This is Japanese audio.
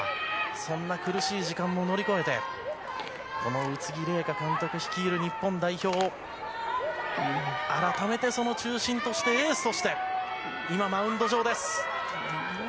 そんな苦しい時間も乗り越えて、この宇津木麗華監督率いる日本代表、改めてその中心として、エースとして、今、マウンド上です。